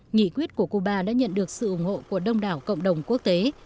nghị quyết của cuba đã nhận được sự ủng hộ của đông đảo cộng đồng quốc tế